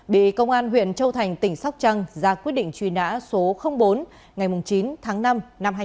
bị công an huyện châu thành tỉnh sóc trăng ra quyết định truy nã số bốn ngày chín tháng năm năm hai nghìn một mươi